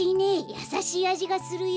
やさしいあじがするよ。